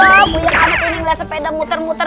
aduh buyang amat ini ngeliat sepeda muter muter